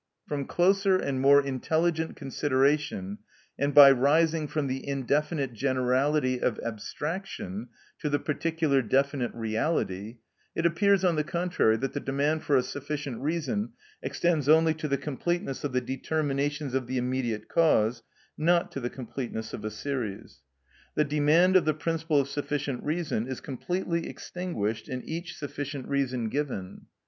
From closer and more intelligent consideration, and by rising from the indefinite generality of abstraction to the particular definite reality, it appears, on the contrary, that the demand for a sufficient reason extends only to the completeness of the determinations of the immediate cause, not to the completeness of a series. The demand of the principle of sufficient reason is completely extinguished in each sufficient reason given.